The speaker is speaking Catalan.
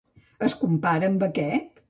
Es compara amb aquest?